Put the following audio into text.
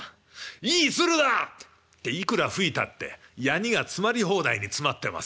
いい鶴だ！」っていくら吹いたってやにが詰まり放題に詰まってますから息が通らない。